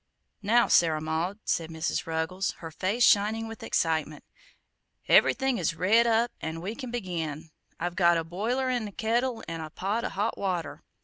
"Now, Sarah Maud," said Mrs. Ruggles, her face shining with excitement, "everything is red up an' we can begin. I've got a boiler 'n a kettle 'n a pot o' hot water.